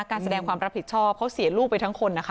การแสดงความรับผิดชอบเขาเสียลูกไปทั้งคนนะคะ